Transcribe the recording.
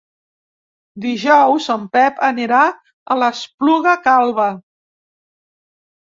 Dijous en Pep anirà a l'Espluga Calba.